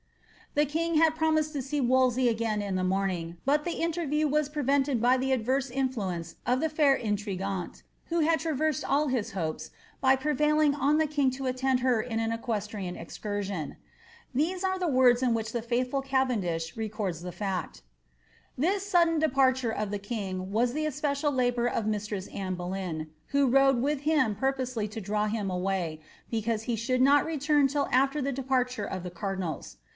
The king had promised to see Wolsey again in the morning, but the interview was prevented by the adverse influence of the fair intrigueanta, who had traversed all his hopes, by prevailing on the king to attend her m an equestrian excursion. These are the words in which the faithful Cavendish records the fiict :^ This sudden departure of the king was the especial labour of mistress Anne Boleyn, who rode with him pup > Singer's edition of Cavendiah*! WoLiej, voL L p. 174. ■OftTendith't Life of WoiBey. AIVIVB BOLXTlf. 450 posely to draw him away, because he should not return till aAer the de parture of the cardinals.